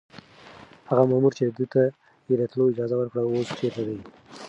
هغه مامور چې ده ته يې د تلو اجازه ورکړه اوس چېرته دی؟